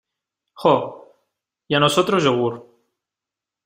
jo. y a nosotros yogur .